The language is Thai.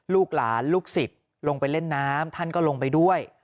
ลูกหลานลูกศิษย์ลงไปเล่นน้ำท่านก็ลงไปด้วย